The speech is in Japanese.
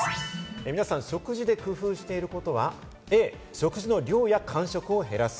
皆さん、食事で工夫していることはＡ、食事の量や間食を減らす。